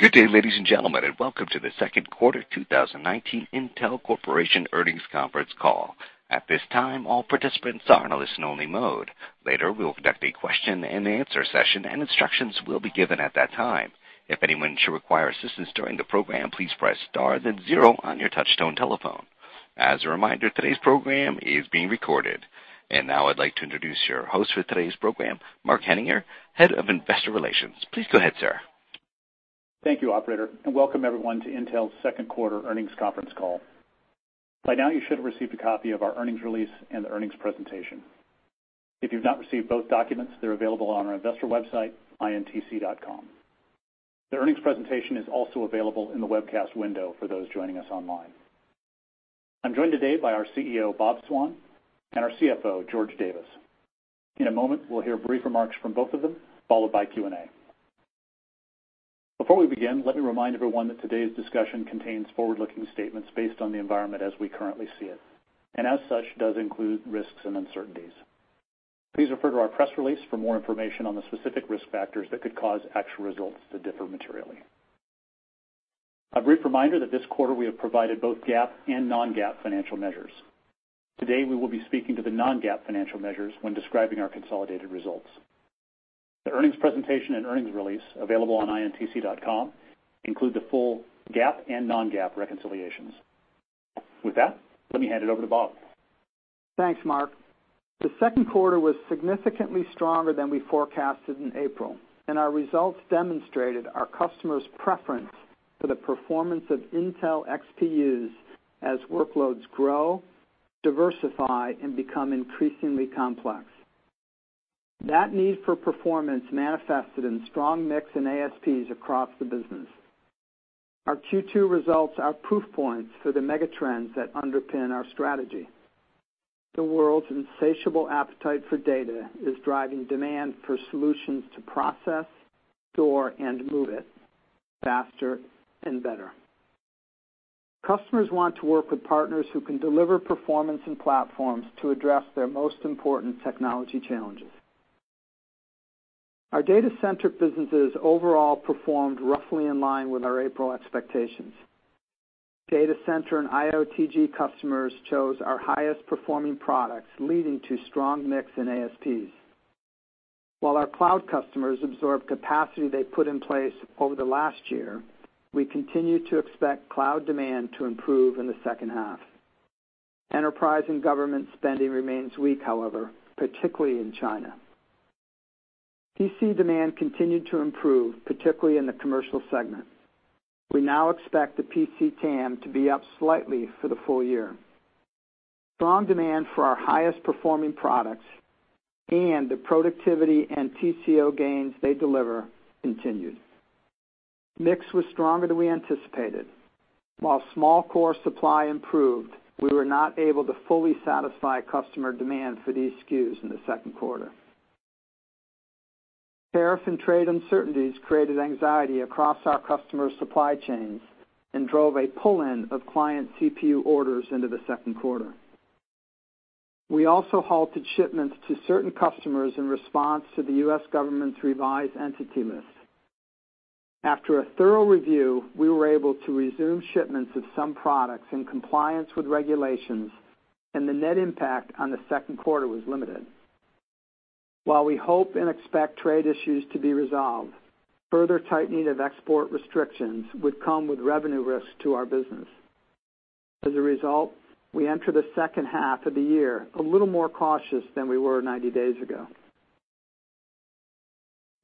Good day, ladies and gentlemen, welcome to the second quarter 2019 Intel Corporation earnings conference call. At this time, all participants are in a listen-only mode. Later, we will conduct a question and answer session, and instructions will be given at that time. If anyone should require assistance during the program, please press star then zero on your touchtone telephone. As a reminder, today's program is being recorded. Now I'd like to introduce your host for today's program, Mark Henninger, Head of Investor Relations. Please go ahead, sir. Thank you, operator, welcome everyone to Intel's second quarter earnings conference call. By now, you should have received a copy of our earnings release and the earnings presentation. If you've not received both documents, they're available on our investor website, intc.com. The earnings presentation is also available in the webcast window for those joining us online. I'm joined today by our CEO, Bob Swan, and our CFO, George Davis. In a moment, we'll hear brief remarks from both of them, followed by Q&A. Before we begin, let me remind everyone that today's discussion contains forward-looking statements based on the environment as we currently see it, and as such, does include risks and uncertainties. Please refer to our press release for more information on the specific risk factors that could cause actual results to differ materially. A brief reminder that this quarter, we have provided both GAAP and non-GAAP financial measures. Today, we will be speaking to the non-GAAP financial measures when describing our consolidated results. The earnings presentation and earnings release, available on intc.com, include the full GAAP and non-GAAP reconciliations. With that, let me hand it over to Bob. Thanks, Mark. The second quarter was significantly stronger than we forecasted in April, and our results demonstrated our customers' preference for the performance of Intel XPUs as workloads grow, diversify, and become increasingly complex. That need for performance manifested in strong mix in ASPs across the business. Our Q2 results are proof points for the mega trends that underpin our strategy. The world's insatiable appetite for data is driving demand for solutions to process, store, and move it faster and better. Customers want to work with partners who can deliver performance and platforms to address their most important technology challenges. Our data center businesses overall performed roughly in line with our April expectations. Data Center and IoTG customers chose our highest performing products, leading to strong mix in ASPs. While our cloud customers absorbed capacity they put in place over the last year, we continue to expect cloud demand to improve in the second half. Enterprise and Government spending remains weak, however, particularly in China. PC demand continued to improve, particularly in the commercial segment. We now expect the PC TAM to be up slightly for the full year. Strong demand for our highest performing products and the productivity and TCO gains they deliver continued. Mix was stronger than we anticipated. While small core supply improved, we were not able to fully satisfy customer demand for these SKUs in the second quarter. Tariff and trade uncertainties created anxiety across our customers' supply chains and drove a pull-in of client CPU orders into the second quarter. We also halted shipments to certain customers in response to the U.S. government's revised entity list. After a thorough review, we were able to resume shipments of some products in compliance with regulations, and the net impact on the second quarter was limited. While we hope and expect trade issues to be resolved, further tightening of export restrictions would come with revenue risks to our business. As a result, we enter the second half of the year a little more cautious than we were 90 days ago.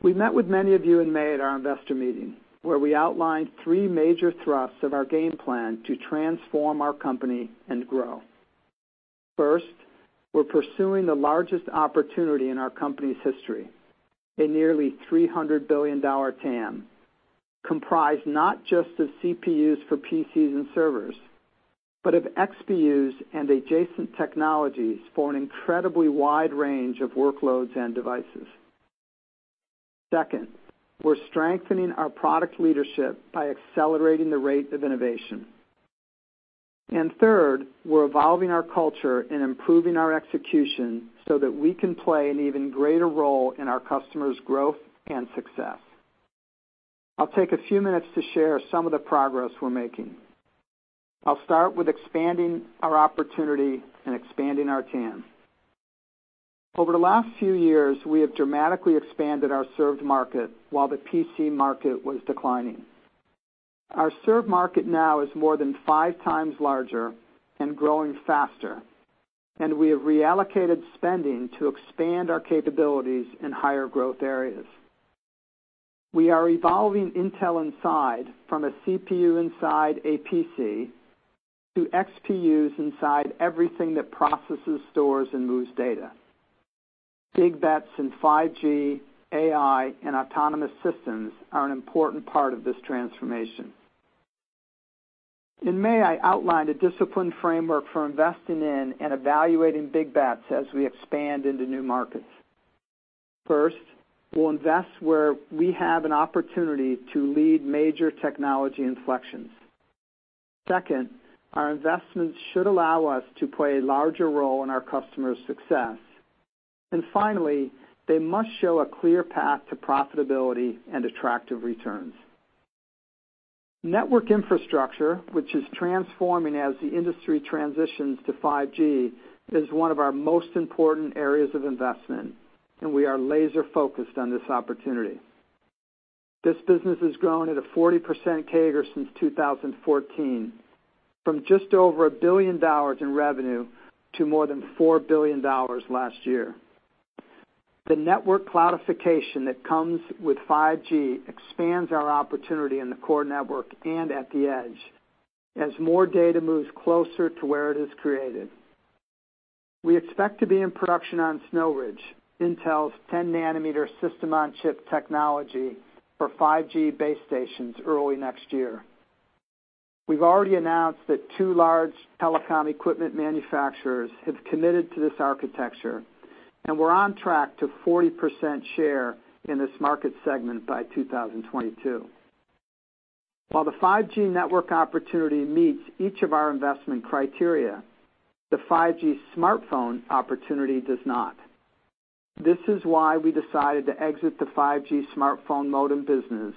We met with many of you in May at our investor meeting, where we outlined three major thrusts of our game plan to transform our company and grow. First, we're pursuing the largest opportunity in our company's history, a nearly $300 billion TAM, comprised not just of CPUs for PCs and servers, but of XPUs and adjacent technologies for an incredibly wide range of workloads and devices. Second, we're strengthening our product leadership by accelerating the rate of innovation. Third, we're evolving our culture and improving our execution so that we can play an even greater role in our customers' growth and success. I'll take a few minutes to share some of the progress we're making. I'll start with expanding our opportunity and expanding our TAM. Over the last few years, we have dramatically expanded our served market while the PC market was declining. Our served market now is more than five times larger and growing faster, and we have reallocated spending to expand our capabilities in higher growth areas. We are evolving Intel Inside from a CPU inside a PC to XPUs inside everything that processes, stores, and moves data. Big bets in 5G, AI, and autonomous systems are an important part of this transformation. In May, I outlined a disciplined framework for investing in and evaluating big bets as we expand into new markets. First, we'll invest where we have an opportunity to lead major technology inflections. Second, our investments should allow us to play a larger role in our customers' success. Finally, they must show a clear path to profitability and attractive returns. Network infrastructure, which is transforming as the industry transitions to 5G, is one of our most important areas of investment, and we are laser-focused on this opportunity. This business has grown at a 40% CAGR since 2014, from just over $1 billion in revenue to more than $4 billion last year. The network cloudification that comes with 5G expands our opportunity in the core network and at the edge as more data moves closer to where it is created. We expect to be in production on Snow Ridge, Intel's 10-nanometer system on chip technology for 5G base stations early next year. We've already announced that two large telecom equipment manufacturers have committed to this architecture, and we're on track to 40% share in this market segment by 2022. While the 5G network opportunity meets each of our investment criteria, the 5G smartphone opportunity does not. This is why we decided to exit the 5G smartphone modem business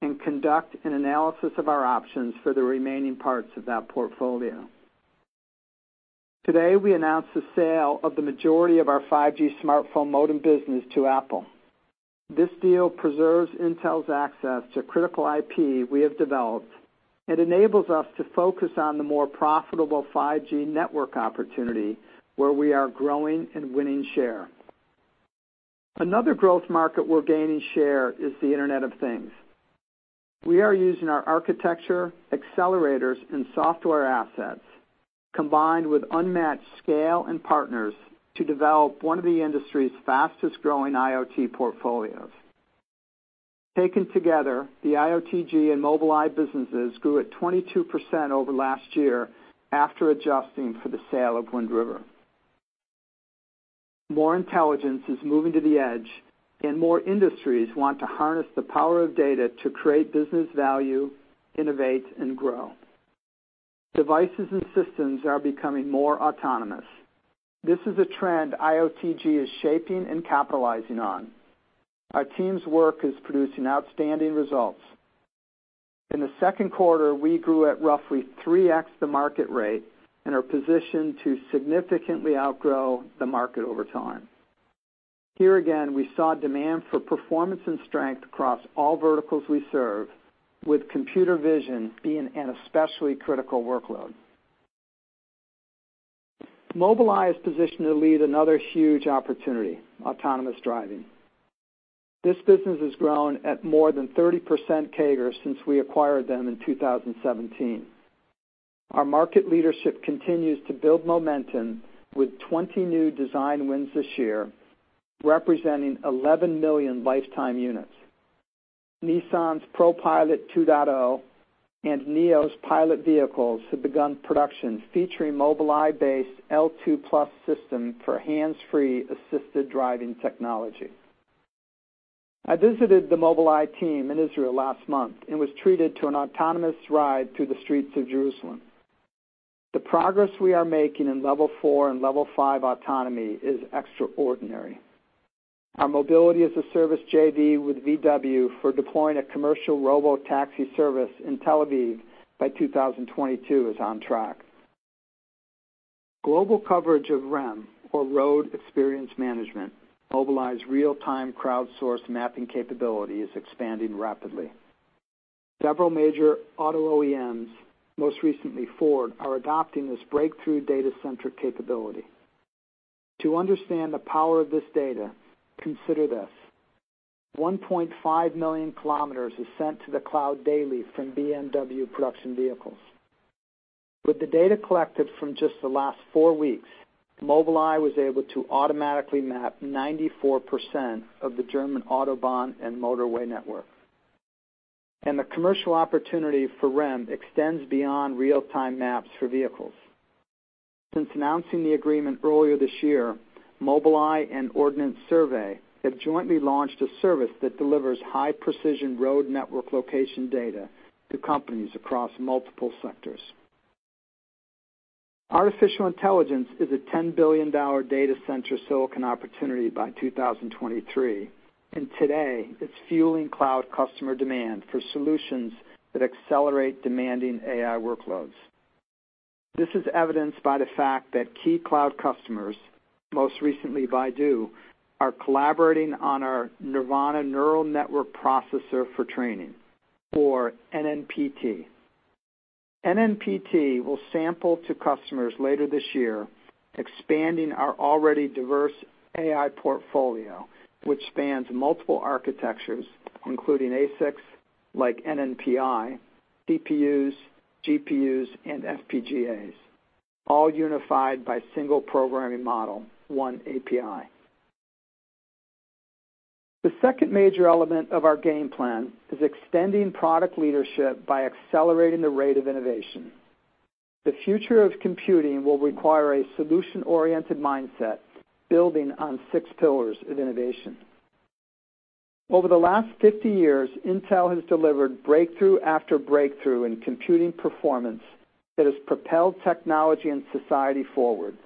and conduct an analysis of our options for the remaining parts of that portfolio. Today, we announced the sale of the majority of our 5G smartphone modem business to Apple. This deal preserves Intel's access to critical IP we have developed and enables us to focus on the more profitable 5G network opportunity where we are growing and winning share. Another growth market we're gaining share is the Internet of Things. We are using our architecture, accelerators, and software assets, combined with unmatched scale and partners, to develop one of the industry's fastest-growing IoT portfolios. Taken together, the IOTG and Mobileye businesses grew at 22% over last year after adjusting for the sale of Wind River. More intelligence is moving to the edge, and more industries want to harness the power of data to create business value, innovate, and grow. Devices and systems are becoming more autonomous. This is a trend IOTG is shaping and capitalizing on. Our team's work is producing outstanding results. In the second quarter, we grew at roughly 3x the market rate and are positioned to significantly outgrow the market over time. Here, again, we saw demand for performance and strength across all verticals we serve, with computer vision being an especially critical workload. Mobileye is positioned to lead another huge opportunity, autonomous driving. This business has grown at more than 30% CAGR since we acquired them in 2017. Our market leadership continues to build momentum with 20 new design wins this year, representing 11 million lifetime units. Nissan's ProPILOT 2.0 and NIO's pilot vehicles have begun production featuring Mobileye-based L2+ system for hands-free assisted driving technology. I visited the Mobileye team in Israel last month and was treated to an autonomous ride through the streets of Jerusalem. The progress we are making in level 4 and level 5 autonomy is extraordinary. Our Mobility as a Service JV with VW for deploying a commercial robo-taxi service in Tel Aviv by 2022 is on track. Global coverage of REM, or Road Experience Management, Mobileye's real-time crowdsourced mapping capability, is expanding rapidly. Several major auto OEMs, most recently Ford, are adopting this breakthrough data-centric capability. To understand the power of this data, consider this. 1.5 million km is sent to the cloud daily from BMW production vehicles. With the data collected from just the last four weeks, Mobileye was able to automatically map 94% of the German autobahn and motorway network. The commercial opportunity for REM extends beyond real-time maps for vehicles. Since announcing the agreement earlier this year, Mobileye and Ordnance Survey have jointly launched a service that delivers high-precision road network location data to companies across multiple sectors. Artificial intelligence is a $10 billion data center silicon opportunity by 2023. Today, it's fueling cloud customer demand for solutions that accelerate demanding AI workloads. This is evidenced by the fact that key cloud customers, most recently Baidu, are collaborating on our Nervana Neural Network Processor for training, or NNP-T. NNP-T will sample to customers later this year, expanding our already diverse AI portfolio, which spans multiple architectures, including ASICs like NNP-I, DPUs, GPUs, and FPGAs, all unified by single programming model, oneAPI. The second major element of our game plan is extending product leadership by accelerating the rate of innovation. The future of computing will require a solution-oriented mindset, building on six pillars of innovation. Over the last 50 years, Intel has delivered breakthrough after breakthrough in computing performance that has propelled technology and society forward.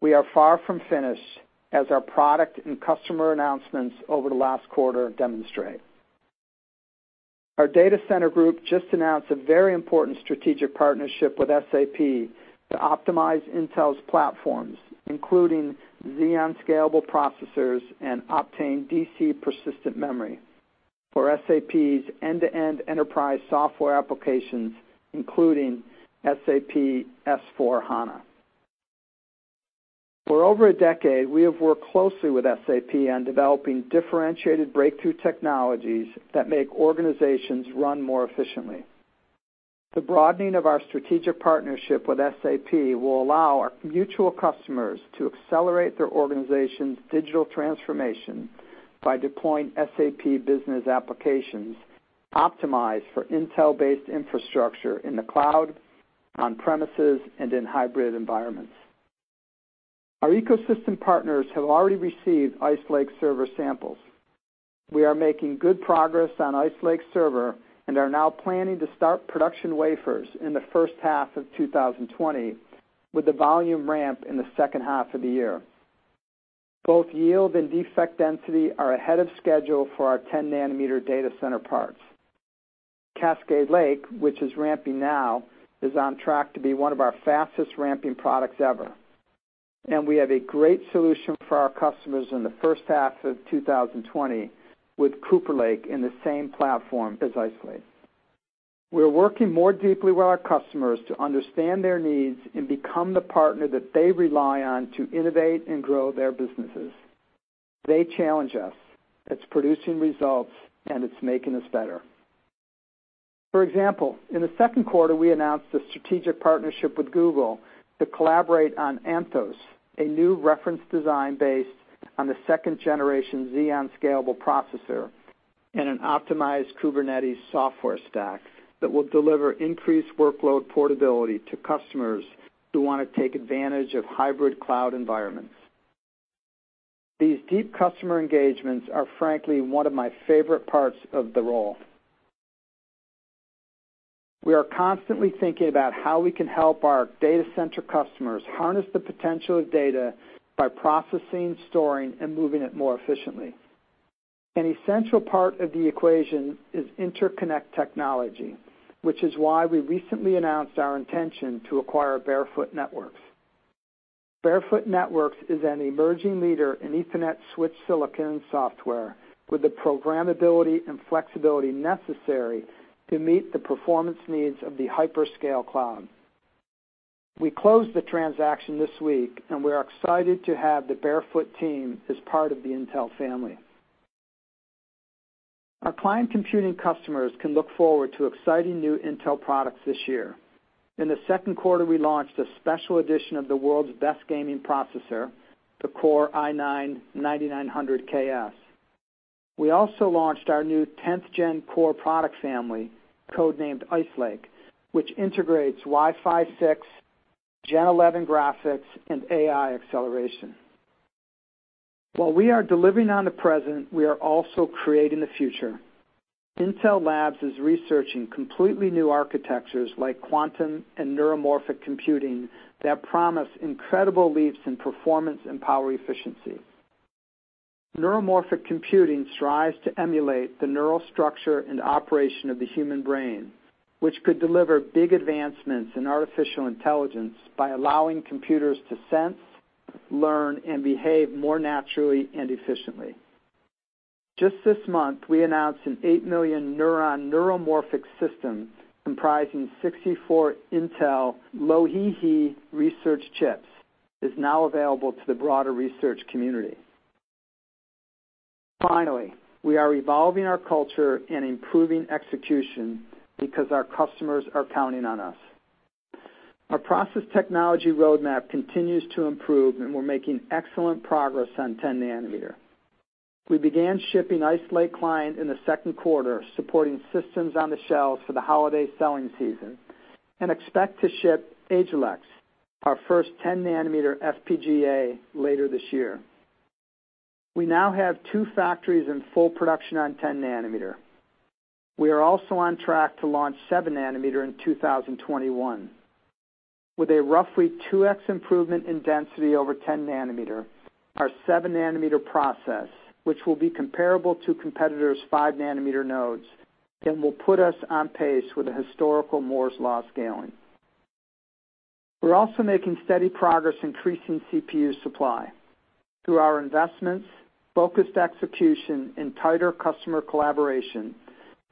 We are far from finished, as our product and customer announcements over the last quarter demonstrate. Our Data Center Group just announced a very important strategic partnership with SAP to optimize Intel's platforms, including Xeon Scalable processors and Optane DC persistent memory for SAP's end-to-end enterprise software applications, including SAP S/4HANA. For over a decade, we have worked closely with SAP on developing differentiated breakthrough technologies that make organizations run more efficiently. The broadening of our strategic partnership with SAP will allow our mutual customers to accelerate their organization's digital transformation by deploying SAP business applications optimized for Intel-based infrastructure in the cloud, on premises, and in hybrid environments. Our ecosystem partners have already received Ice Lake server samples. We are making good progress on Ice Lake server and are now planning to start production wafers in the first half of 2020, with the volume ramp in the second half of the year. Both yield and defect density are ahead of schedule for our 10-nanometer data center parts. Cascade Lake, which is ramping now, is on track to be one of our fastest ramping products ever, and we have a great solution for our customers in the first half of 2020 with Cooper Lake in the same platform as Ice Lake. We're working more deeply with our customers to understand their needs and become the partner that they rely on to innovate and grow their businesses. They challenge us. It's producing results, and it's making us better. For example, in the second quarter, we announced a strategic partnership with Google to collaborate on Anthos, a new reference design based on the second generation Xeon scalable processor and an optimized Kubernetes software stack that will deliver increased workload portability to customers who want to take advantage of hybrid cloud environments. These deep customer engagements are, frankly, one of my favorite parts of the role. We are constantly thinking about how we can help our data center customers harness the potential of data by processing, storing, and moving it more efficiently. An essential part of the equation is interconnect technology, which is why we recently announced our intention to acquire Barefoot Networks. Barefoot Networks is an emerging leader in Ethernet switch silicon software with the programmability and flexibility necessary to meet the performance needs of the hyperscale cloud. We closed the transaction this week. We are excited to have the Barefoot team as part of the Intel family. Our client computing customers can look forward to exciting new Intel products this year. In the second quarter, we launched a special edition of the world's best gaming processor, the Core i9-9900KS. We also launched our new 10th Gen Core product family, codenamed Ice Lake, which integrates Wi-Fi 6, Gen11 graphics, and AI acceleration. While we are delivering on the present, we are also creating the future. Intel Labs is researching completely new architectures like quantum and neuromorphic computing that promise incredible leaps in performance and power efficiency. Neuromorphic computing strives to emulate the neural structure and operation of the human brain, which could deliver big advancements in artificial intelligence by allowing computers to sense, learn, and behave more naturally and efficiently. Just this month, we announced an 8 million-neuron neuromorphic system comprising 64 Intel Loihi research chips is now available to the broader research community. Finally, we are evolving our culture and improving execution because our customers are counting on us. Our process technology roadmap continues to improve, and we're making excellent progress on 10 nanometer. We began shipping Ice Lake client in the second quarter, supporting systems on the shelves for the holiday selling season, and expect to ship Agilex, our first 10-nanometer FPGA, later this year. We now have two factories in full production on 10 nanometer. We are also on track to launch 7 nanometer in 2021. With a roughly 2x improvement in density over 10 nanometer, our 7-nanometer process, which will be comparable to competitors' 5-nanometer nodes and will put us on pace with the historical Moore's Law scaling. We're also making steady progress increasing CPU supply. Through our investments, focused execution, and tighter customer collaboration,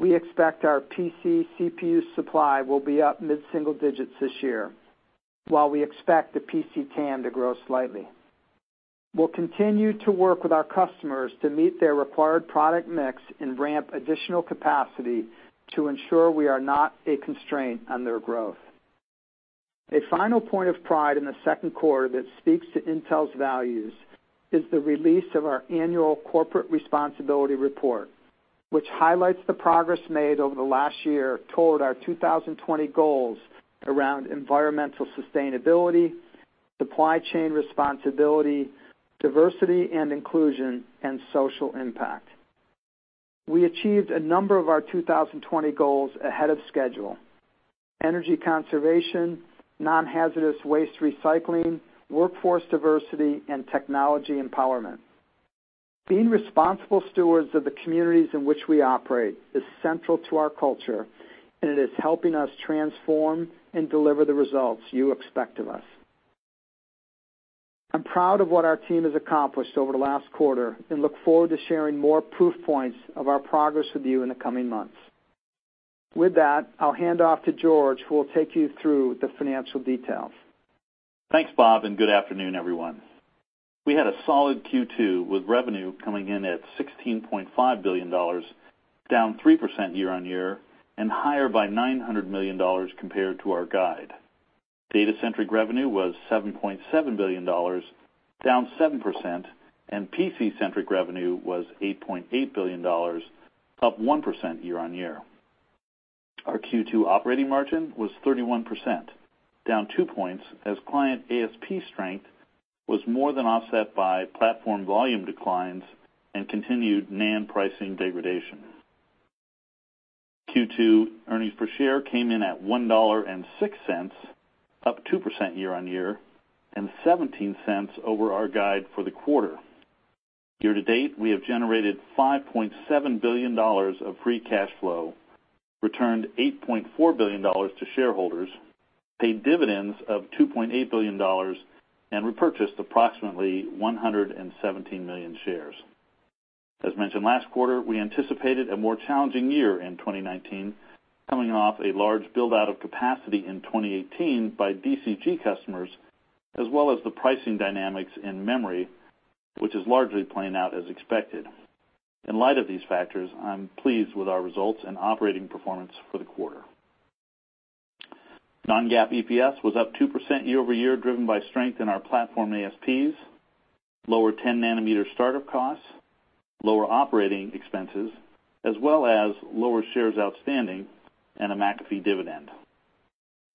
we expect our PC CPU supply will be up mid-single digits this year, while we expect the PC TAM to grow slightly. We'll continue to work with our customers to meet their required product mix and ramp additional capacity to ensure we are not a constraint on their growth. A final point of pride in the second quarter that speaks to Intel's values is the release of our annual corporate responsibility report, which highlights the progress made over the last year toward our 2020 goals around environmental sustainability, supply chain responsibility, diversity and inclusion, and social impact. We achieved a number of our 2020 goals ahead of schedule: Energy conservation, non-hazardous waste recycling, workforce diversity, and technology empowerment. Being responsible stewards of the communities in which we operate is central to our culture, and it is helping us transform and deliver the results you expect of us. I'm proud of what our team has accomplished over the last quarter and look forward to sharing more proof points of our progress with you in the coming months. With that, I'll hand off to George, who will take you through the financial details. Thanks, Bob. Good afternoon, everyone. We had a solid Q2 with revenue coming in at $16.5 billion, down 3% year-on-year, and higher by $900 million compared to our guide. Data-centric revenue was $7.7 billion, down 7%, and PC-centric revenue was $8.8 billion, up 1% year-on-year. Our Q2 operating margin was 31%, down two points as client ASP strength was more than offset by platform volume declines and continued NAND pricing degradation. Q2 earnings per share came in at $1.06, up 2% year-on-year, and $0.17 over our guide for the quarter. Year to date, we have generated $5.7 billion of free cash flow, returned $8.4 billion to shareholders, paid dividends of $2.8 billion, and repurchased approximately 117 million shares. As mentioned last quarter, we anticipated a more challenging year in 2019, coming off a large build-out of capacity in 2018 by DCG customers, as well as the pricing dynamics in memory, which is largely playing out as expected. In light of these factors, I'm pleased with our results and operating performance for the quarter. Non-GAAP EPS was up 2% year-over-year, driven by strength in our platform ASPs, lower 10 nanometer startup costs, lower operating expenses, as well as lower shares outstanding and a McAfee dividend.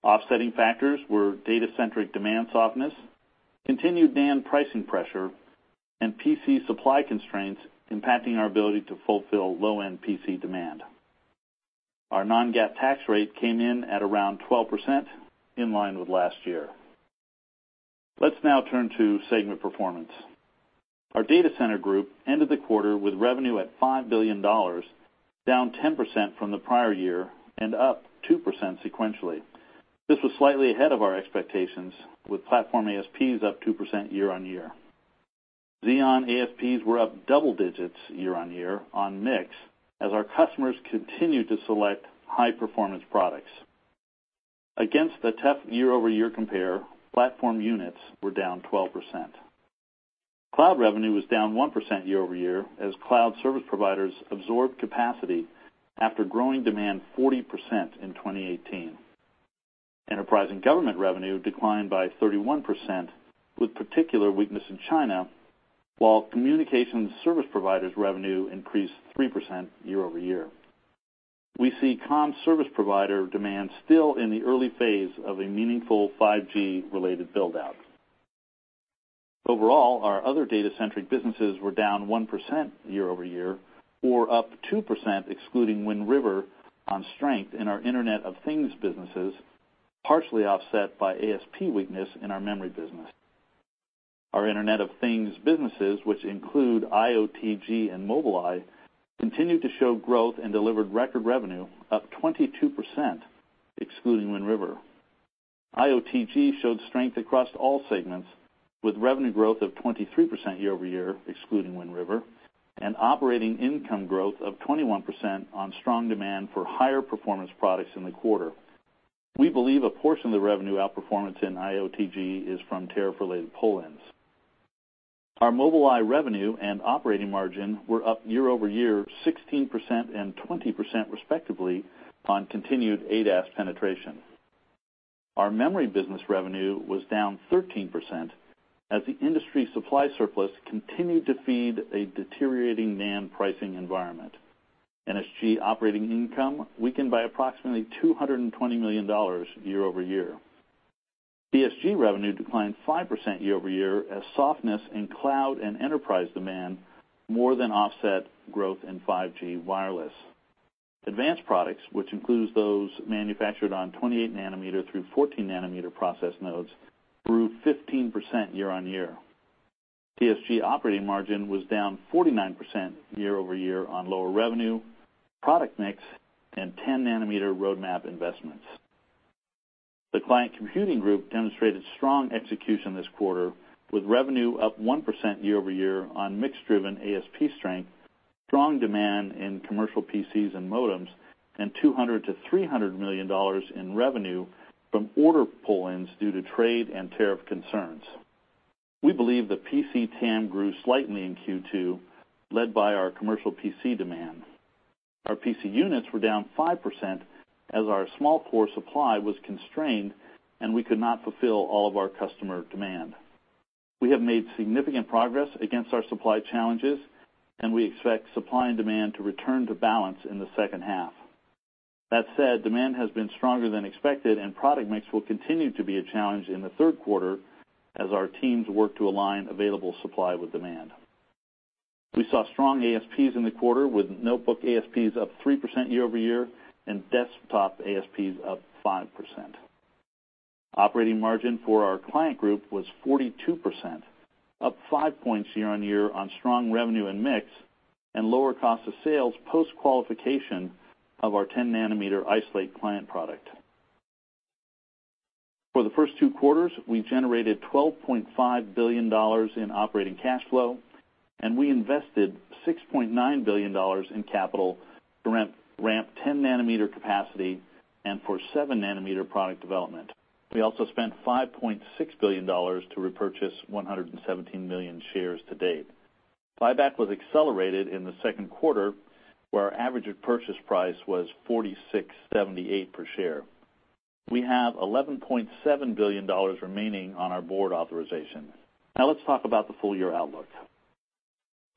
Offsetting factors were data-centric demand softness, continued NAND pricing pressure, and PC supply constraints impacting our ability to fulfill low-end PC demand. Our non-GAAP tax rate came in at around 12%, in line with last year. Let's now turn to segment performance. Our Data Center Group ended the quarter with revenue at $5 billion, down 10% from the prior year and up 2% sequentially. This was slightly ahead of our expectations, with platform ASPs up 2% year-on-year. Xeon ASPs were up double digits year-on-year on mix as our customers continued to select high-performance products. Against a tough year-over-year compare, platform units were down 12%. Cloud revenue was down 1% year-over-year as cloud service providers absorbed capacity after growing demand 40% in 2018. Enterprise and government revenue declined by 31%, with particular weakness in China, while communications service providers revenue increased 3% year-over-year. We see comm service provider demand still in the early phase of a meaningful 5G-related build-out. Overall, our other data-centric businesses were down 1% year-over-year or up 2% excluding Wind River on strength in our Internet of Things businesses, partially offset by ASP weakness in our memory business. Our Internet of Things businesses, which include IOTG and Mobileye, continued to show growth and delivered record revenue up 22% excluding Wind River. IOTG showed strength across all segments, with revenue growth of 23% year-over-year, excluding Wind River, and operating income growth of 21% on strong demand for higher performance products in the quarter. We believe a portion of the revenue outperformance in IOTG is from tariff-related pull-ins. Our Mobileye revenue and operating margin were up year-over-year 16% and 20% respectively on continued ADAS penetration. Our memory business revenue was down 13% as the industry supply surplus continued to feed a deteriorating NAND pricing environment. NSG operating income weakened by approximately $220 million year-over-year. PSG revenue declined 5% year-over-year as softness in cloud and enterprise demand more than offset growth in 5G wireless. Advanced products, which includes those manufactured on 28 nanometer through 14 nanometer process nodes, grew 15% year-on-year. PSG operating margin was down 49% year-over-year on lower revenue, product mix, and 10 nanometer roadmap investments. The Client Computing Group demonstrated strong execution this quarter, with revenue up 1% year-over-year on mix-driven ASP strength, strong demand in commercial PCs and modems, and $200 million to $300 million in revenue from order pull-ins due to trade and tariff concerns. We believe the PC TAM grew slightly in Q2, led by our commercial PC demand. Our PC units were down 5% as our small core supply was constrained, and we could not fulfill all of our customer demand. We have made significant progress against our supply challenges, and we expect supply and demand to return to balance in the second half. That said, demand has been stronger than expected, and product mix will continue to be a challenge in the third quarter as our teams work to align available supply with demand. We saw strong ASPs in the quarter, with notebook ASPs up 3% year-over-year and desktop ASPs up 5%. Operating margin for our client group was 42%, up five points year-on-year on strong revenue and mix, and lower cost of sales post-qualification of our 10-nanometer Ice Lake client product. For the first two quarters, we generated $12.5 billion in operating cash flow, we invested $6.9 billion in capital to ramp 10-nanometer capacity and for 7-nanometer product development. We also spent $5.6 billion to repurchase 117 million shares to date. Buyback was accelerated in the second quarter, where our average purchase price was $46.78 per share. We have $11.7 billion remaining on our board authorization. Let's talk about the full-year outlook.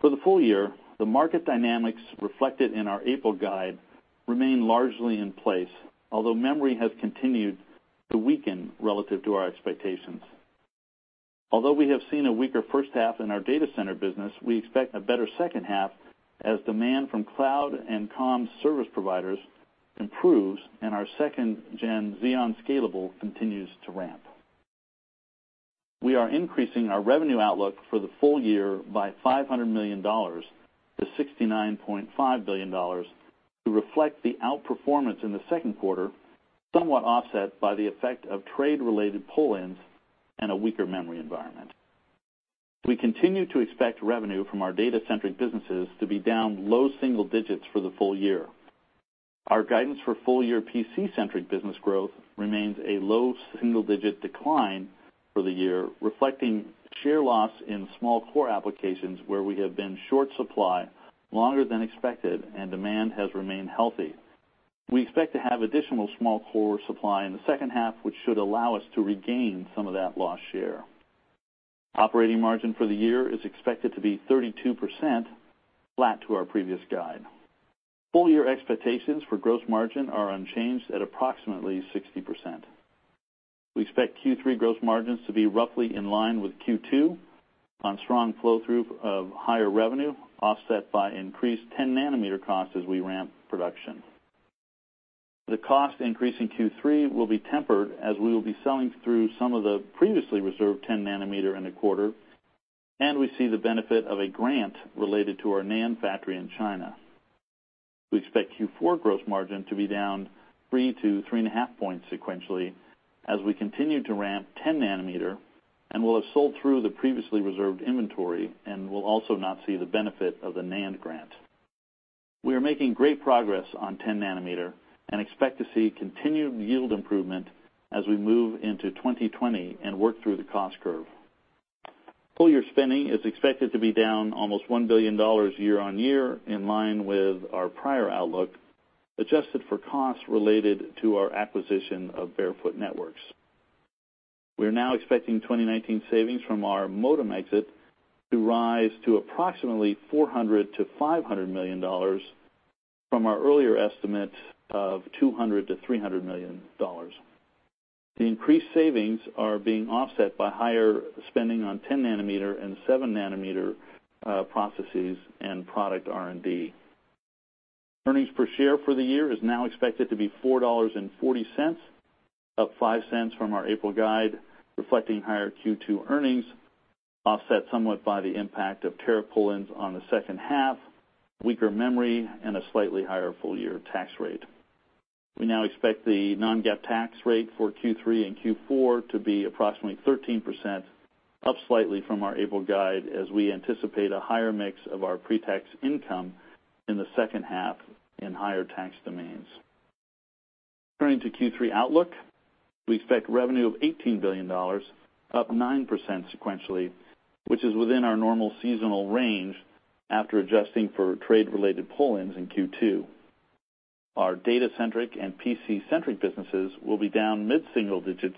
For the full year, the market dynamics reflected in our April guide remain largely in place, although memory has continued to weaken relative to our expectations. Although we have seen a weaker first half in our data center business, we expect a better second half as demand from cloud and comm service providers improves and our 2nd Gen Xeon Scalable continues to ramp. We are increasing our revenue outlook for the full year by $500 million to $69.5 billion to reflect the outperformance in the second quarter, somewhat offset by the effect of trade-related pull-ins and a weaker memory environment. We continue to expect revenue from our data-centric businesses to be down low single digits for the full year. Our guidance for full-year PC-centric business growth remains a low single-digit decline for the year, reflecting share loss in small core applications where we have been short supply longer than expected and demand has remained healthy. We expect to have additional small core supply in the second half, which should allow us to regain some of that lost share. Operating margin for the year is expected to be 32%, flat to our previous guide. Full-year expectations for gross margin are unchanged at approximately 60%. We expect Q3 gross margins to be roughly in line with Q2 on strong flow-through of higher revenue, offset by increased 10-nanometer costs as we ramp production. The cost increase in Q3 will be tempered as we will be selling through some of the previously reserved 10-nanometer in the quarter, and we see the benefit of a grant related to our NAND factory in China. We expect Q4 gross margin to be down 3 to 3.5 points sequentially as we continue to ramp 10-nanometer and will have sold through the previously reserved inventory, and will also not see the benefit of the NAND grant. We are making great progress on 10-nanometer and expect to see continued yield improvement as we move into 2020 and work through the cost curve. Full-year spending is expected to be down almost $1 billion year-on-year, in line with our prior outlook, adjusted for costs related to our acquisition of Barefoot Networks. We are now expecting 2019 savings from our modem exit to rise to approximately $400 million-$500 million from our earlier estimate of $200 million-$300 million. The increased savings are being offset by higher spending on 10-nanometer and 7-nanometer processes and product R&D. Earnings per share for the year is now expected to be $4.40, up $0.05 from our April guide, reflecting higher Q2 earnings, offset somewhat by the impact of tariff pull-ins on the second half, weaker memory, and a slightly higher full-year tax rate. We now expect the non-GAAP tax rate for Q3 and Q4 to be approximately 13%, up slightly from our April guide as we anticipate a higher mix of our pre-tax income in the second half in higher tax domains. Turning to Q3 outlook, we expect revenue of $18 billion, up 9% sequentially, which is within our normal seasonal range after adjusting for trade-related pull-ins in Q2. Our data-centric and PC-centric businesses will be down mid-single digits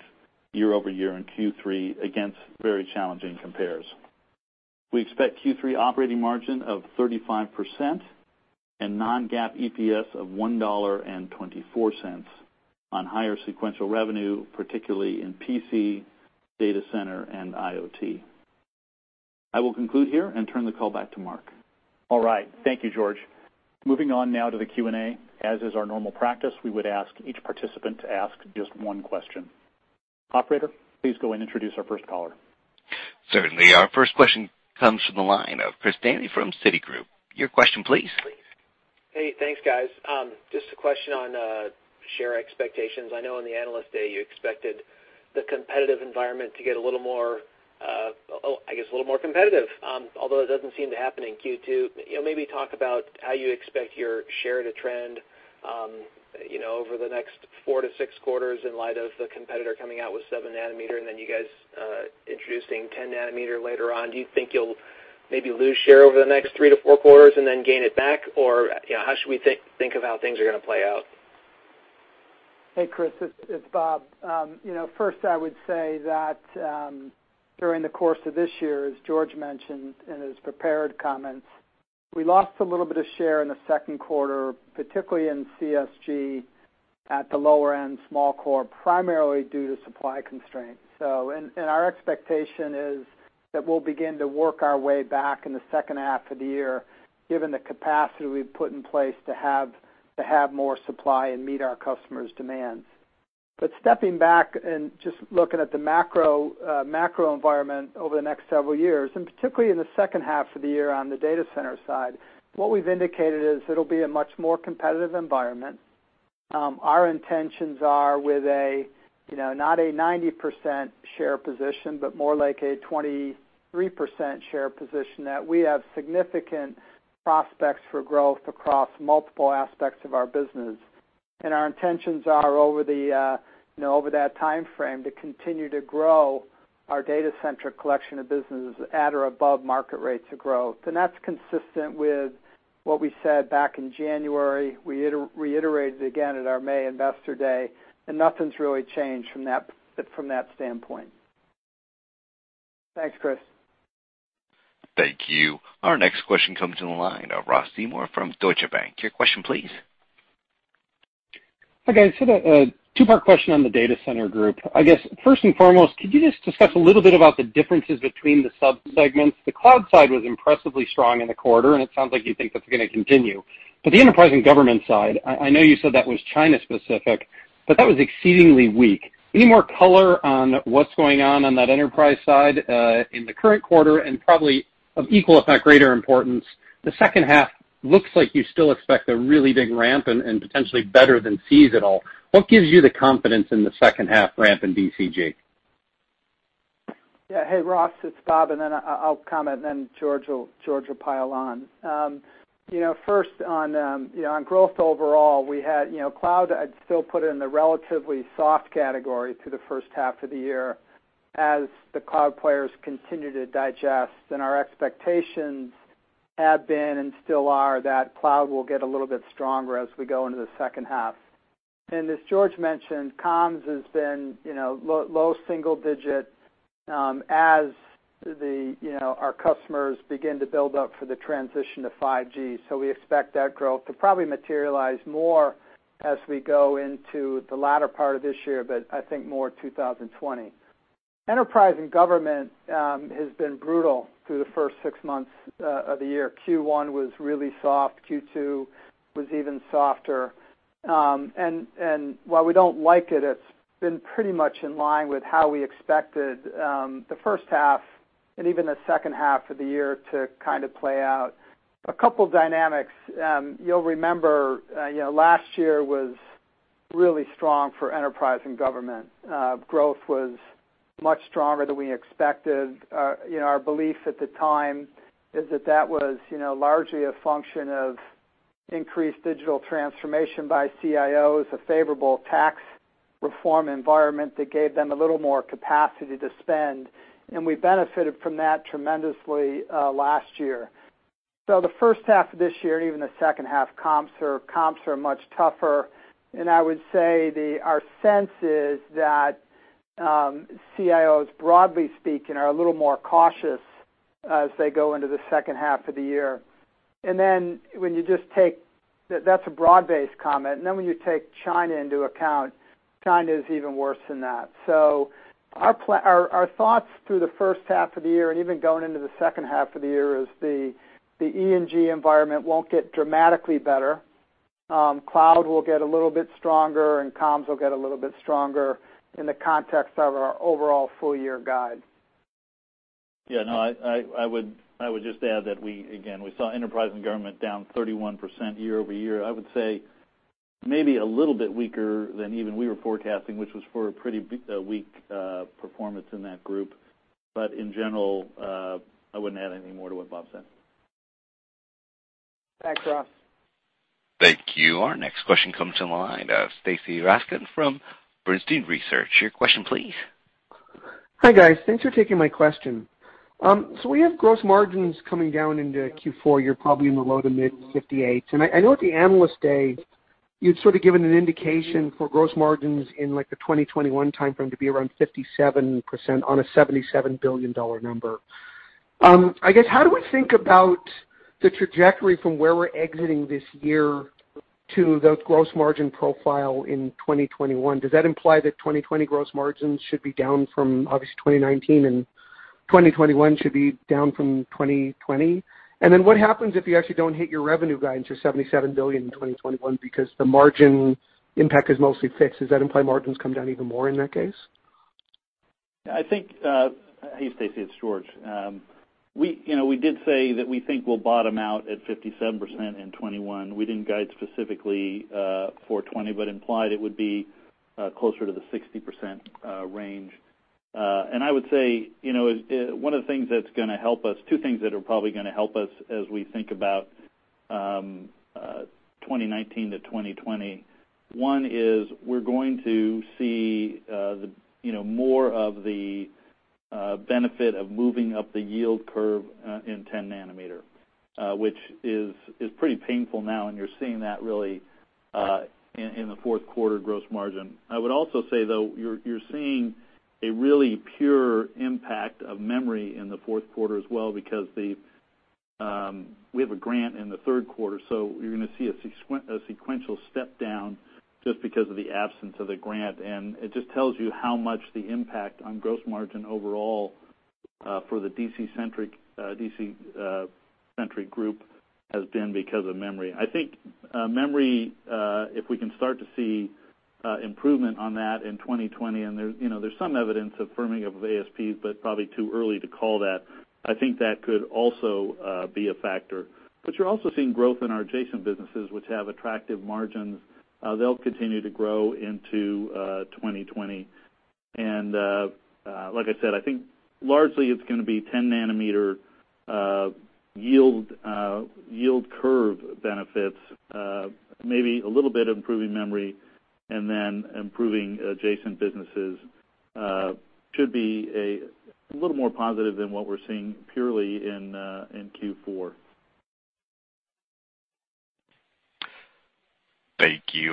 year-over-year in Q3 against very challenging compares. We expect Q3 operating margin of 35% and non-GAAP EPS of $1.24 on higher sequential revenue, particularly in PC, data center, and IoT. I will conclude here and turn the call back to Mark. All right. Thank you, George. Moving on now to the Q&A. As is our normal practice, we would ask each participant to ask just one question. Operator, please go and introduce our first caller. Certainly. Our first question comes from the line of Chris Danely from Citigroup. Your question, please. Hey, thanks guys. Just a question on share expectations. I know on the Analyst Day, you expected the competitive environment to get, I guess, a little more competitive. It doesn't seem to happen in Q2. Maybe talk about how you expect your share to trend over the next four to six quarters in light of the competitor coming out with 7-nanometer, and then you guys introducing 10-nanometer later on. Do you think you'll maybe lose share over the next three to four quarters and then gain it back? How should we think of how things are going to play out? Hey, Chris, it's Bob. I would say that during the course of this year, as George mentioned in his prepared comments, we lost a little bit of share in the second quarter, particularly in CCG, at the lower end small core, primarily due to supply constraints. Our expectation is that we'll begin to work our way back in the second half of the year, given the capacity we've put in place to have more supply and meet our customers' demands. Stepping back and just looking at the macro environment over the next several years, particularly in the second half of the year on the data center side, what we've indicated is it'll be a much more competitive environment. Our intentions are with not a 90% share position, but more like a 23% share position, that we have significant prospects for growth across multiple aspects of our business. Our intentions are over that timeframe to continue to grow our Data Center collection of businesses at or above market rates of growth. That's consistent with what we said back in January. We reiterated again at our May investor day, and nothing's really changed from that standpoint. Thanks, Chris. Thank you. Our next question comes on the line of Ross Seymore from Deutsche Bank. Your question, please. Hi, guys. Two-part question on the Data Center Group. I guess first and foremost, could you just discuss a little bit about the differences between the sub-segments? The cloud side was impressively strong in the quarter, and it sounds like you think that's going to continue. The Enterprise and Government side, I know you said that was China specific, but that was exceedingly weak. Any more color on what's going on on that Enterprise side in the current quarter? Probably of equal, if not greater importance, the second half looks like you still expect a really big ramp and potentially better than seasonal. What gives you the confidence in the second half ramp in DCG? Hey, Ross, it's Bob. I'll comment. George will pile on. First on growth overall, cloud, I'd still put it in the relatively soft category through the first half of the year as the cloud players continue to digest. Our expectations have been and still are that cloud will get a little bit stronger as we go into the second half. As George mentioned, comms has been low single digit as our customers begin to build up for the transition to 5G. We expect that growth to probably materialize more as we go into the latter part of this year, but I think more 2020. Enterprise and government has been brutal through the first six months of the year. Q1 was really soft, Q2 was even softer. While we don't like it's been pretty much in line with how we expected the first half and even the second half of the year to kind of play out. A couple dynamics. You'll remember last year was really strong for Enterprise and Government. Growth was much stronger than we expected. Our belief at the time is that that was largely a function of increased digital transformation by CIOs, a favorable tax reform environment that gave them a little more capacity to spend, and we benefited from that tremendously last year. The first half of this year and even the second half, comps are much tougher. I would say our sense is that CIOs, broadly speaking, are a little more cautious as they go into the second half of the year. That's a broad-based comment, and then when you take China into account, China is even worse than that. Our thoughts through the first half of the year and even going into the second half of the year is the E&G environment won't get dramatically better. Cloud will get a little bit stronger and comms will get a little bit stronger in the context of our overall full-year guide. Yeah. No, I would just add that, again, we saw Enterprise and Government down 31% year-over-year. I would say maybe a little bit weaker than even we were forecasting, which was for a pretty weak performance in that group. In general, I wouldn't add anything more to what Bob said. Thanks, Ross. Thank you. Our next question comes on the line. Stacy Rasgon from Bernstein Research. Your question, please. Hi, guys. Thanks for taking my question. We have gross margins coming down into Q4. You're probably in the low to mid 58s. I know at the Analyst Day, you'd sort of given an indication for gross margins in the 2021 timeframe to be around 57% on a $77 billion number. I guess how do we think about the trajectory from where we're exiting this year to the gross margin profile in 2021? Does that imply that 2020 gross margins should be down from obviously 2019, and 2021 should be down from 2020? What happens if you actually don't hit your revenue guidance of $77 billion in 2021 because the margin impact is mostly fixed? Does that imply margins come down even more in that case? Hey, Stacy, it's George. We did say that we think we'll bottom out at 57% in 2021. We didn't guide specifically for 2020, but implied it would be closer to the 60% range. I would say two things that are probably going to help us as we think about 2019 to 2020. One is we're going to see more of the benefit of moving up the yield curve in 10 nanometer, which is pretty painful now, and you're seeing that really in the fourth quarter gross margin. I would also say, though, you're seeing a really pure impact of memory in the fourth quarter as well because we have a grant in the third quarter, so you're going to see a sequential step down just because of the absence of the grant. It just tells you how much the impact on gross margin overall for the DC-centric group has been because of memory. I think memory, if we can start to see improvement on that in 2020, and there's some evidence of firming up of ASPs, but probably too early to call that. I think that could also be a factor. You're also seeing growth in our adjacent businesses, which have attractive margins. They'll continue to grow into 2020. Like I said, I think largely it's going to be 10 nanometer yield curve benefits, maybe a little bit improving memory, and then improving adjacent businesses should be a little more positive than what we're seeing purely in Q4. Thank you.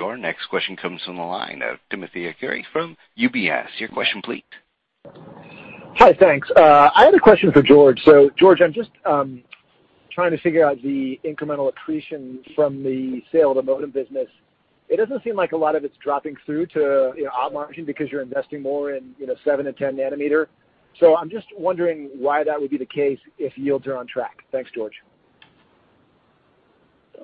Our next question comes from the line of Timothy Arcuri from UBS. Your question please. Hi, thanks. I had a question for George. George, I'm just trying to figure out the incremental accretion from the sale of the modem business. It doesn't seem like a lot of it's dropping through to op margin because you're investing more in 7 and 10 nanometer. I'm just wondering why that would be the case if yields are on track. Thanks, George.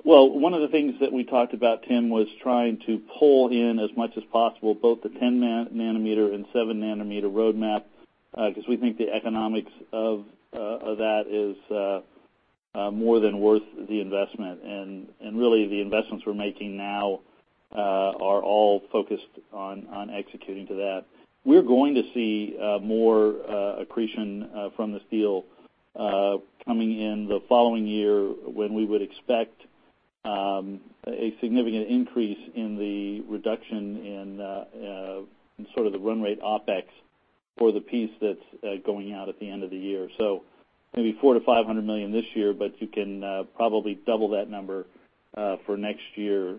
Well, one of the things that we talked about, Tim, was trying to pull in as much as possible, both the 10-nanometer and 7-nanometer roadmap, because we think the economics of that is more than worth the investment. Really the investments we're making now are all focused on executing to that. We're going to see more accretion from this deal coming in the following year when we would expect a significant increase in the reduction in sort of the run rate OpEx for the piece that's going out at the end of the year. Maybe $400 million-$500 million this year, but you can probably double that number for next year,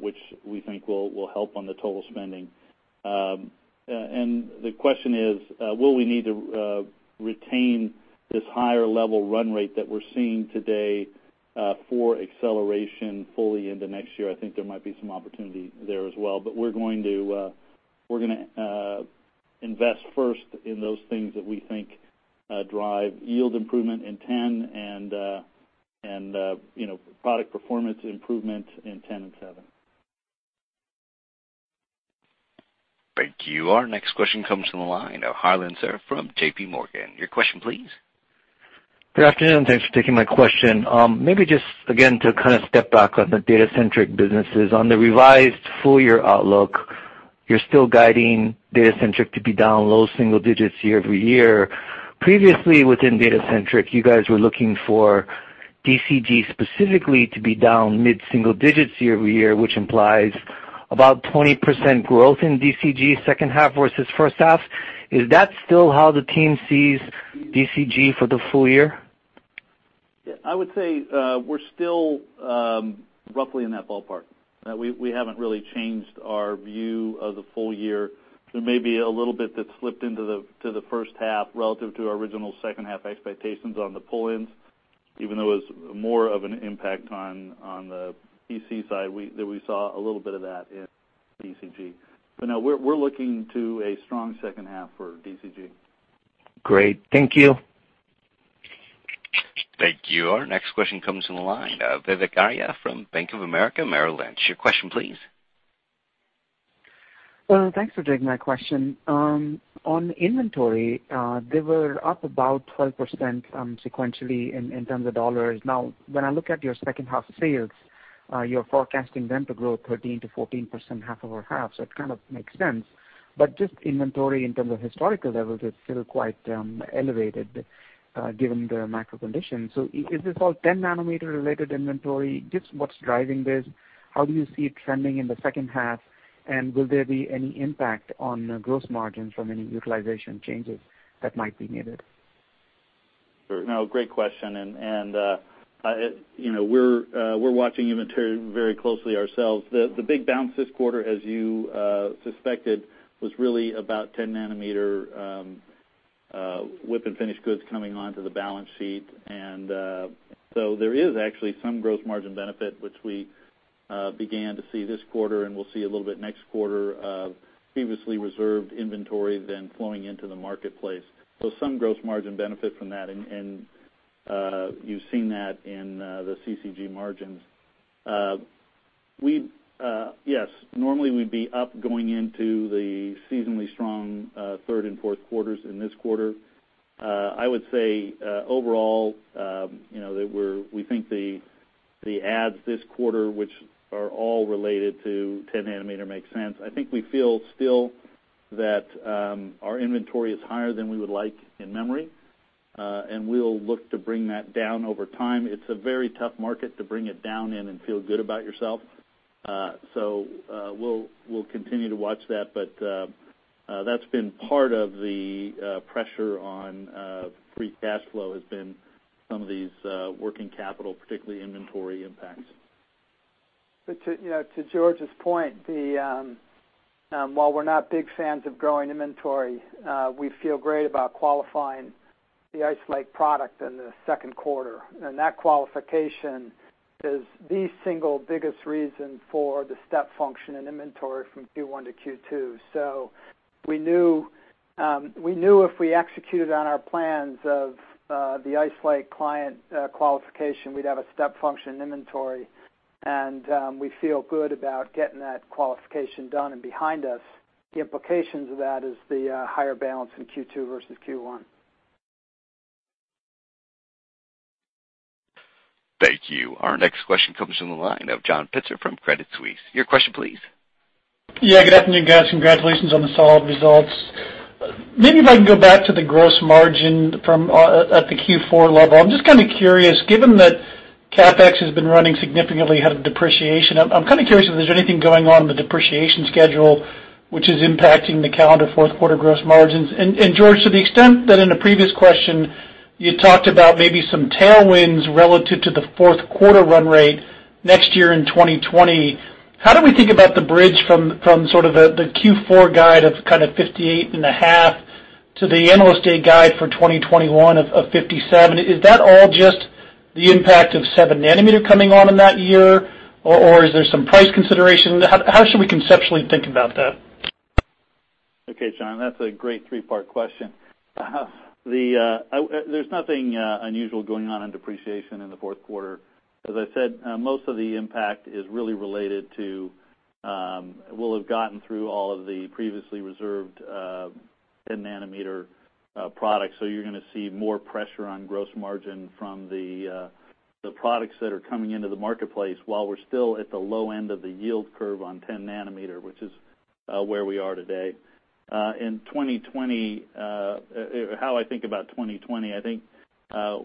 which we think will help on the total spending. The question is, will we need to retain this higher level run rate that we're seeing today for acceleration fully into next year? I think there might be some opportunity there as well, but we're going to invest first in those things that we think drive yield improvement in 10 and product performance improvement in 10 and seven. Thank you. Our next question comes from the line of Harlan Sur from J.P. Morgan. Your question, please. Good afternoon. Thanks for taking my question. Step back on the data-centric businesses. On the revised full year outlook, you're still guiding data-centric to be down low single digits year-over-year. Previously, within data-centric, you guys were looking for DCG specifically to be down mid-single digits year-over-year, which implies about 20% growth in DCG second half versus first half. Is that still how the team sees DCG for the full year? Yeah, I would say we're still roughly in that ballpark. We haven't really changed our view of the full year. There may be a little bit that slipped into the first half relative to our original second half expectations on the pull-ins, even though it was more of an impact on the PC side, that we saw a little bit of that in DCG. No, we're looking to a strong second half for DCG. Great. Thank you. Thank you. Our next question comes from the line of Vivek Arya from Bank of America Merrill Lynch. Your question, please. Thanks for taking my question. On inventory, they were up about 12% sequentially in terms of $. When I look at your second half sales, you're forecasting them to grow 13%-14% half over half, it kind of makes sense. Just inventory in terms of historical levels is still quite elevated given the macro conditions. Is this all 10 nanometer related inventory? Just what's driving this? How do you see it trending in the second half? Will there be any impact on gross margins from any utilization changes that might be needed? Sure. No, great question, and we're watching inventory very closely ourselves. The big bounce this quarter, as you suspected, was really about 10 nanometer WIP and finished goods coming onto the balance sheet. There is actually some gross margin benefit which we began to see this quarter and we'll see a little bit next quarter of previously reserved inventory then flowing into the marketplace. Some gross margin benefit from that, and you've seen that in the CCG margins. Yes, normally we'd be up going into the seasonally strong third and fourth quarters in this quarter. I would say, overall, we think the adds this quarter, which are all related to 10 nanometer make sense. I think we feel still that our inventory is higher than we would like in memory. We'll look to bring that down over time. It's a very tough market to bring it down in and feel good about yourself. We'll continue to watch that, but that's been part of the pressure on free cash flow, has been some of these working capital, particularly inventory impacts. To George's point, while we're not big fans of growing inventory, we feel great about qualifying the Ice Lake product in the second quarter. That qualification is the single biggest reason for the step function in inventory from Q1 to Q2. We knew if we executed on our plans of the Ice Lake client qualification, we'd have a step function inventory, and we feel good about getting that qualification done and behind us. The implications of that is the higher balance in Q2 versus Q1. Thank you. Our next question comes from the line of John Pitzer from Credit Suisse. Your question please. Yeah, good afternoon, guys. Congratulations on the solid results. Maybe if I can go back to the gross margin from at the Q4 level, I'm just curious, given that CapEx has been running significantly ahead of depreciation, I'm kind of curious if there's anything going on in the depreciation schedule which is impacting the calendar fourth quarter gross margins. George, to the extent that in a previous question you talked about maybe some tailwinds relative to the fourth quarter run rate next year in 2020, how do we think about the bridge from the Q4 guide of 58.5% to the Analyst Day guide for 2021 of 57%? Is that all just the impact of seven nanometer coming on in that year? Is there some price consideration? How should we conceptually think about that? Okay, John, that's a great three-part question. There's nothing unusual going on in depreciation in the fourth quarter. As I said, most of the impact is really related to, we'll have gotten through all of the previously reserved 10 nanometer products. You're going to see more pressure on gross margin from the products that are coming into the marketplace while we're still at the low end of the yield curve on 10 nanometer, which is where we are today. In 2020, how I think about 2020, I think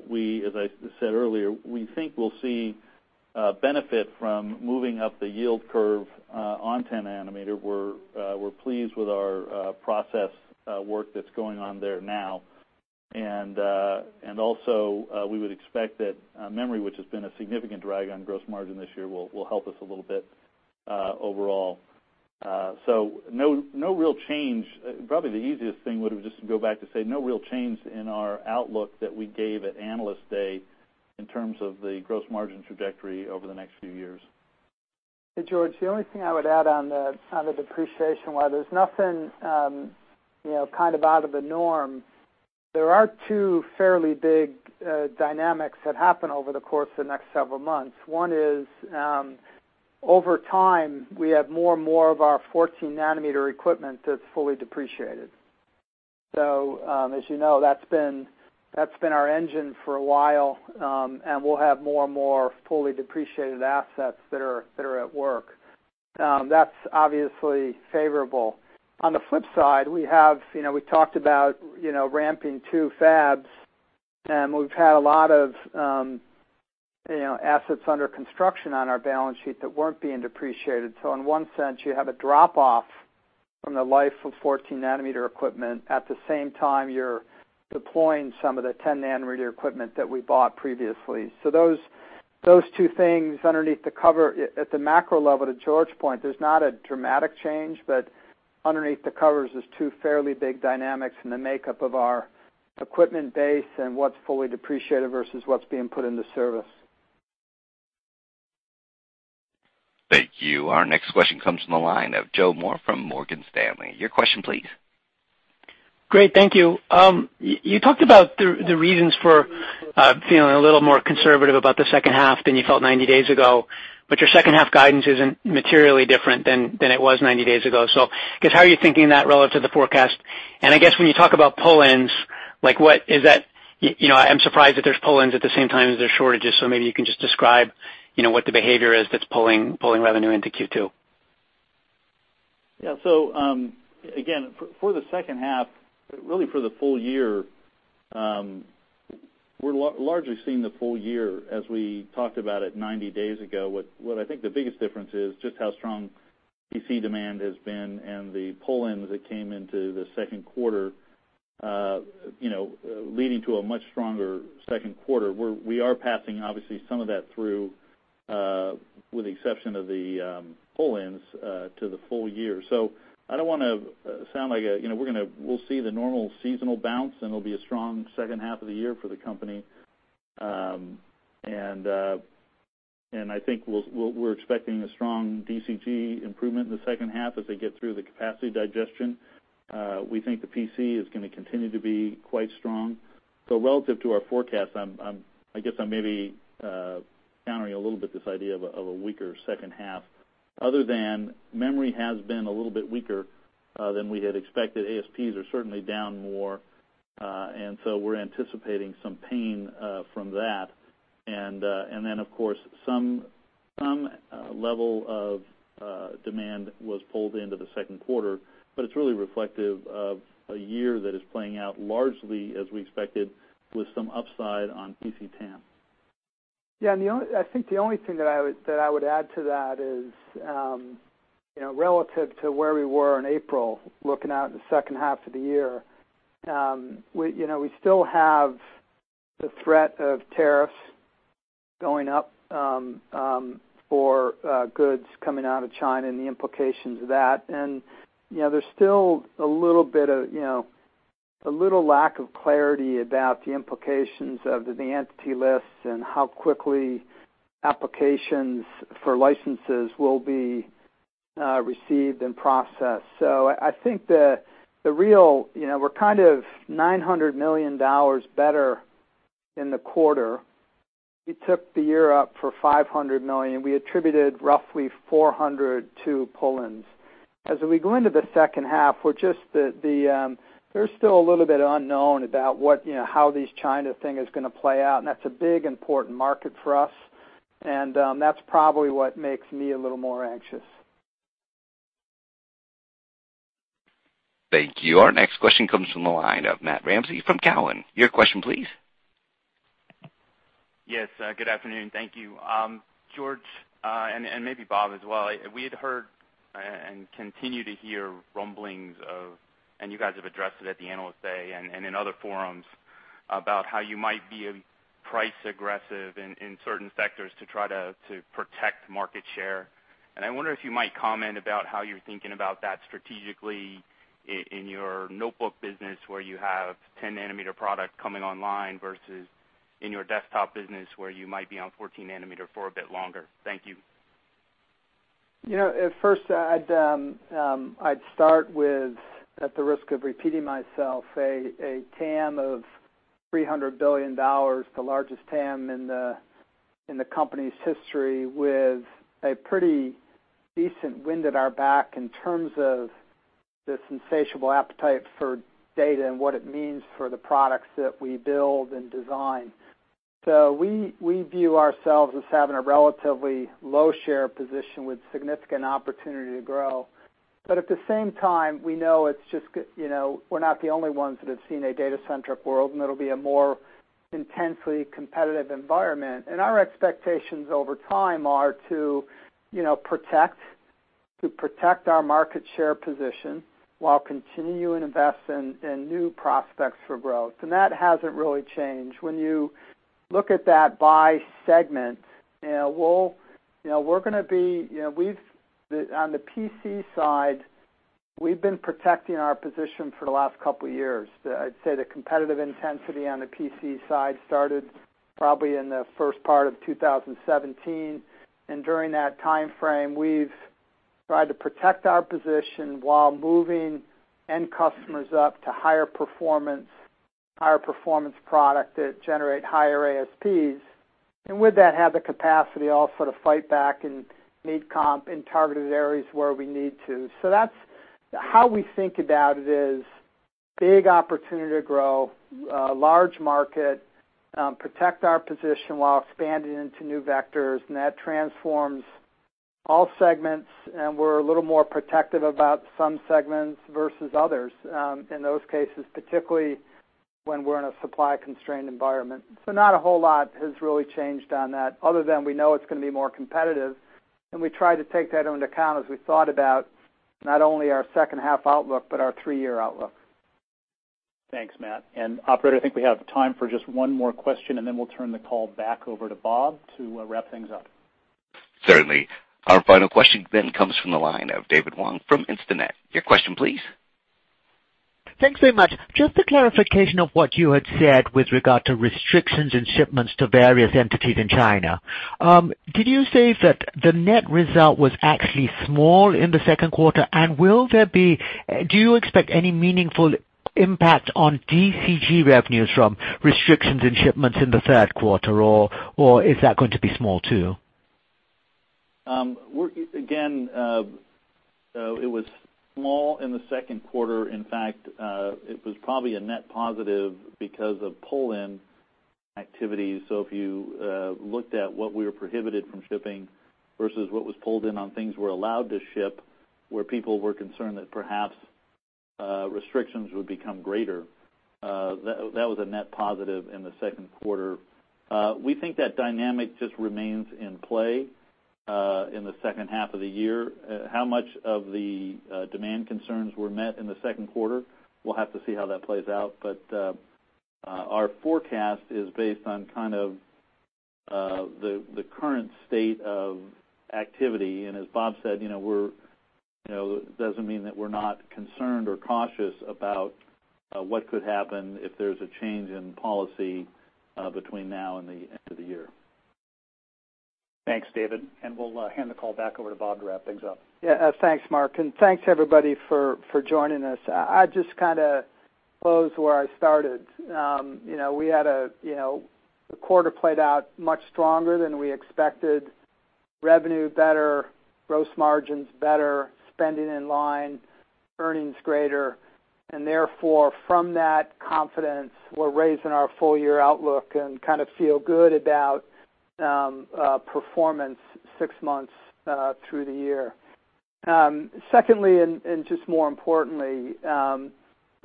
we, as I said earlier, we think we'll see a benefit from moving up the yield curve on 10 nanometer. We're pleased with our process work that's going on there now. Also, we would expect that memory, which has been a significant drag on gross margin this year, will help us a little bit, overall. No real change. Probably the easiest thing would have just to go back to say, no real change in our outlook that we gave at Analyst Day in terms of the gross margin trajectory over the next few years. Hey, George, the only thing I would add on the depreciation, while there's nothing kind of out of the norm, there are two fairly big dynamics that happen over the course of the next several months. One is, over time, we have more and more of our 14 nanometer equipment that's fully depreciated. As you know, that's been our engine for a while, and we'll have more and more fully depreciated assets that are at work. That's obviously favorable. On the flip side, we talked about ramping two fabs, and we've had a lot of assets under construction on our balance sheet that weren't being depreciated. In one sense, you have a drop-off from the life of 14 nanometer equipment. At the same time, you're deploying some of the 10 nanometer equipment that we bought previously. Those two things underneath the cover at the macro level, to George's point, there's not a dramatic change, but underneath the covers is two fairly big dynamics in the makeup of our equipment base and what's fully depreciated versus what's being put into service. Thank you. Our next question comes from the line of Joe Moore from Morgan Stanley. Your question, please. Great. Thank you. You talked about the reasons for feeling a little more conservative about the second half than you felt 90 days ago, Your second half guidance isn't materially different than it was 90 days ago. I guess, how are you thinking that relative to the forecast? I guess when you talk about pull-ins, I'm surprised that there's pull-ins at the same time as there's shortages. Maybe you can just describe what the behavior is that's pulling revenue into Q2. Yeah. Again, for the second half, really for the full year, we're largely seeing the full year as we talked about it 90 days ago. What I think the biggest difference is just how strong PC demand has been and the pull-ins that came into the second quarter, leading to a much stronger second quarter, where we are passing, obviously, some of that through, with the exception of the pull-ins, to the full year. I don't want to sound like we'll see the normal seasonal bounce, and it'll be a strong second half of the year for the company. I think we're expecting a strong DCG improvement in the second half as they get through the capacity digestion. We think the PC is going to continue to be quite strong. Relative to our forecast, I guess I'm maybe countering a little bit this idea of a weaker second half, other than memory has been a little bit weaker than we had expected. ASPs are certainly down more, and so we're anticipating some pain from that. Of course, some level of demand was pulled into the second quarter, but it's really reflective of a year that is playing out largely as we expected, with some upside on PC TAM. Yeah, I think the only thing that I would add to that is, relative to where we were in April, looking out at the second half of the year, we still have the threat of tariffs going up for goods coming out of China and the implications of that. There's still a little lack of clarity about the implications of the Entity Lists and how quickly applications for licenses will be received and processed. I think we're kind of $900 million better in the quarter. We took the year up for $500 million. We attributed roughly $400 to pull-ins. As we go into the second half, there's still a little bit unknown about how this China thing is going to play out, and that's a big, important market for us. That's probably what makes me a little more anxious. Thank you. Our next question comes from the line of Matt Ramsay from Cowen. Your question, please. Yes. Good afternoon. Thank you. George, and maybe Bob as well, we had heard and continue to hear rumblings of, you guys have addressed it at the Analyst Day and in other forums, about how you might be price-aggressive in certain sectors to try to protect market share. I wonder if you might comment about how you're thinking about that strategically in your notebook business, where you have 10-nanometer product coming online, versus in your desktop business, where you might be on 14-nanometer for a bit longer. Thank you. At first, I'd start with, at the risk of repeating myself, a TAM of $300 billion, the largest TAM in the company's history, with a pretty decent wind at our back in terms of this insatiable appetite for data and what it means for the products that we build and design. We view ourselves as having a relatively low share position with significant opportunity to grow. At the same time, we know we're not the only ones that have seen a data-centric world, and it'll be a more intensely competitive environment. Our expectations over time are to protect our market share position while continuing to invest in new prospects for growth. That hasn't really changed. When you look at that by segment, on the PC side, we've been protecting our position for the last couple of years. I'd say the competitive intensity on the PC side started probably in the first part of 2017. During that time frame, we've tried to protect our position while moving end customers up to higher performance product that generate higher ASPs. With that, have the capacity also to fight back in mid-comp, in targeted areas where we need to. How we think about it is, big opportunity to grow, large market, protect our position while expanding into new vectors, and that transforms all segments, and we're a little more protective about some segments versus others, in those cases, particularly when we're in a supply-constrained environment. Not a whole lot has really changed on that other than we know it's going to be more competitive, and we try to take that into account as we thought about not only our second half outlook, but our three-year outlook. Thanks, Matt. Operator, I think we have time for just one more question, and then we'll turn the call back over to Bob to wrap things up. Certainly. Our final question then comes from the line of David Wong from Instinet. Your question, please. Thanks very much. Just a clarification of what you had said with regard to restrictions and shipments to various entities in China. Did you say that the net result was actually small in the second quarter? Do you expect any meaningful impact on DCG revenues from restrictions in shipments in the third quarter, or is that going to be small, too? It was small in the second quarter. In fact, it was probably a net positive because of pull-in activities. If you looked at what we were prohibited from shipping versus what was pulled in on things we're allowed to ship, where people were concerned that perhaps restrictions would become greater, that was a net positive in the second quarter. We think that dynamic just remains in play, in the second half of the year. How much of the demand concerns were met in the second quarter? We'll have to see how that plays out. Our forecast is based on kind of the current state of activity. As Bob said, it doesn't mean that we're not concerned or cautious about what could happen if there's a change in policy between now and the end of the year. Thanks, David. We'll hand the call back over to Bob to wrap things up. Yeah. Thanks, Mark, and thanks, everybody, for joining us. I close where I started. The quarter played out much stronger than we expected. Revenue better, gross margins better, spending in line, earnings greater, and therefore, from that confidence, we're raising our full-year outlook and feel good about performance six months through the year. Secondly, more importantly,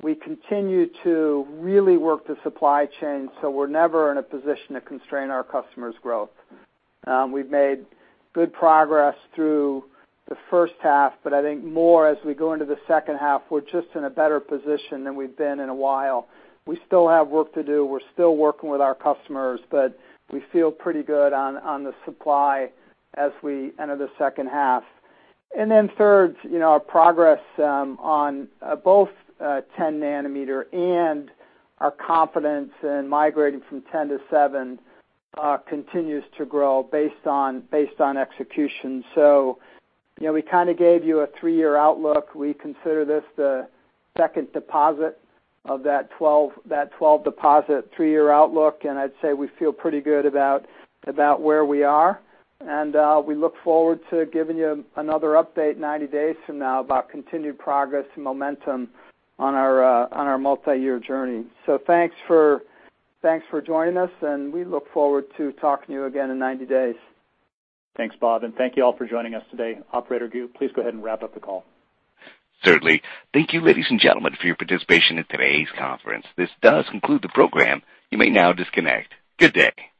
we continue to work the supply chain, so we're never in a position to constrain our customers' growth. We've made good progress through the first half, but more as we go into the second half, we're in a better position than we've been in a while. We still have work to do. We're still working with our customers, but we feel good on the supply as we enter the second half. Third, our progress on both 10 nanometer and our confidence in migrating from 10 to 7 continues to grow based on execution. We kind of gave you a three-year outlook. We consider this the second deposit of that 12-deposit, three-year outlook, and I'd say we feel pretty good about where we are. We look forward to giving you another update 90 days from now about continued progress and momentum on our multi-year journey. Thanks for joining us, and we look forward to talking to you again in 90 days. Thanks, Bob, and thank you all for joining us today. Operator, please go ahead and wrap up the call. Certainly. Thank you, ladies and gentlemen, for your participation in today's conference. This does conclude the program. You may now disconnect. Good day.